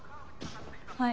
はい。